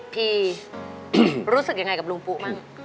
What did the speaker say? พี่รู้สึกยังไงกับลุงปุ๊บ้าง